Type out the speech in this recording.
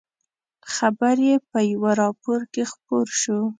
خبر یې په یوه راپور کې خپور شو.